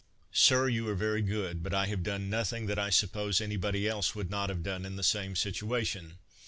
"Sir, you are very good, but I have done nothing that I suppose any body else would not have done, in the same situation.